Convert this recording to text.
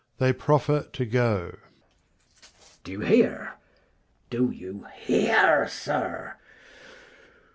[They proffer to go. Mess. Do you hear, do you hear, sir